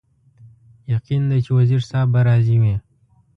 یقین دی چې وزیر صاحب به راضي وي.